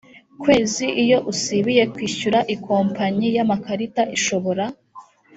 kwezi iyo usibiye kwishyura ikompanyi y amakarita ishobora